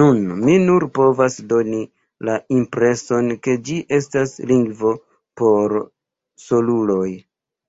Nun, mi nur povas doni la impreson ke ĝi estas lingvo por soluloj.